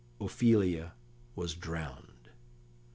Ophelia was drowned.